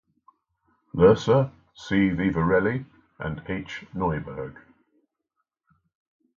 Lohse, C. Vivarelli, and H. Neuburg.